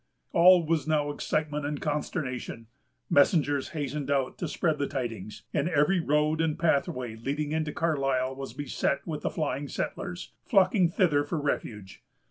All was now excitement and consternation. Messengers hastened out to spread the tidings; and every road and pathway leading into Carlisle was beset with the flying settlers, flocking thither for refuge.